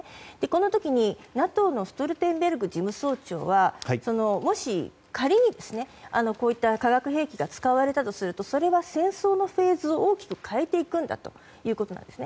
この時にＮＡＴＯのストルテンベルグ事務総長はもし仮に、こういった化学兵器が使われたとすると戦争のフェーズを大きく変えていくんだということです。